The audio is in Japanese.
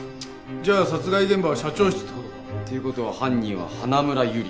じゃあ殺害現場は社長室って事か？という事は犯人は花村友梨。